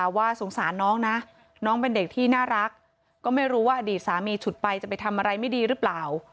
ก็อยากจะให้เอาน้องมาส่งอยากให้คุยกันมากกว่าไม่อยากให้ใช้วิธีแบบนี้นะคะ